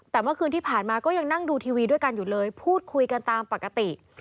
แต่เมื่อคืนที่ผ่านมาก็ยังนั่งดูทีวีด้วยกันอยู่เลยพูดคุยกันตามปกติ